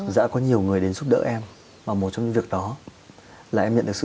dạ có nhiều người đến giúp đỡ em mà một trong những việc đó là em nhận được sự